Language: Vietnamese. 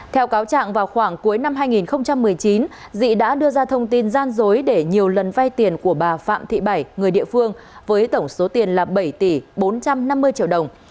theo cáo trạng vào khoảng cuối năm hai nghìn một mươi chín dị đã đưa ra thông tin gian dối để nhiều lần vay tiền của bà phạm thị bảy người địa phương với tổng số tiền là bảy tỷ bốn trăm năm mươi triệu đồng